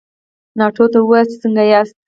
ناټو ته ووایاست چې څنګه ياست؟